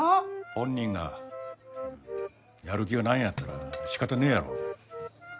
本人がやる気がないんやったら仕方ねえやろ。